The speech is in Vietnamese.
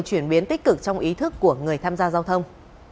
chuyển biến tích cực trong ý thức của người tham gia giao thông